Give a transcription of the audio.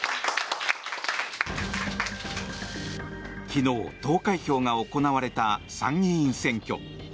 昨日、投開票が行われた参議院選挙。